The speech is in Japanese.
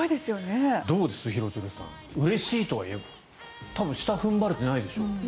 どうですか、廣津留さんうれしいというか多分、下踏ん張れてないでしょう。